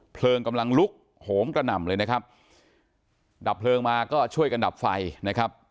เพลิงกำลังลุกโหมกระหน่ำเลยนะครับดับเพลิงมาก็ช่วยกันดับไฟนะครับ